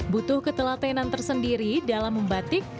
butuh ketelatenan tersendiri dalam membatik